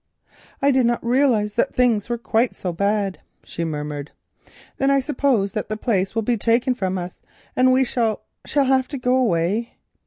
"I did not realise that things were quite so bad," she murmured. "Then I suppose that the place will be taken from us, and we shall—shall have to go away."